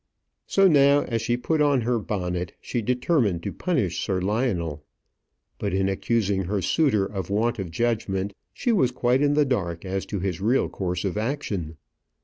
So now, as she put on her bonnet, she determined to punish Sir Lionel. But in accusing her suitor of want of judgment, she was quite in the dark as to his real course of action.